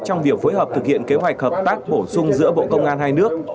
trong việc phối hợp thực hiện kế hoạch hợp tác bổ sung giữa bộ công an hai nước